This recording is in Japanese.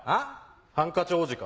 ハンカチ王子か？